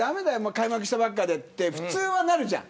開幕したばっかでって普通なるじゃん。